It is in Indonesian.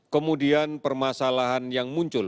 kemudian permasalahan yang muncul